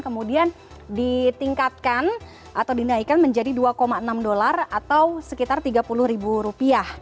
kemudian ditingkatkan atau dinaikkan menjadi dua enam dolar atau sekitar tiga puluh ribu rupiah